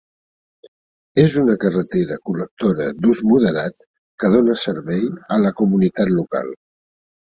És una carretera col·lectora d'ús moderat que dóna servei a la comunitat local.